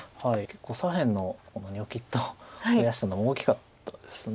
結構左辺のニョキッと増やしたのも大きかったです。